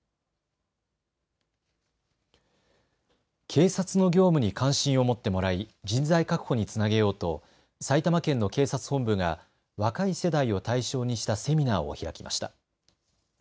警察の業務に関心を持ってもらい人材確保につなげようと埼玉県の警察本部が若い世代を対象にしたセミナーを開きました。